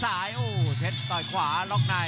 กรรมการเตือนทั้งคู่ครับ๖๖กิโลกรัม